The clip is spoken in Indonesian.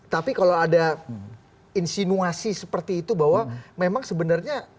tapi kalau ada insinuasi seperti itu bahwa memang sebenarnya